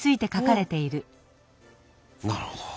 なるほど。